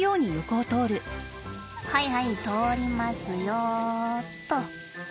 「はいはい通りますよ」っと。